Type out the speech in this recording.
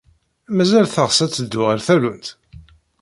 Mazal teɣs ad teddu ɣer tallunt?